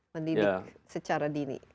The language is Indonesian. mendidik secara dini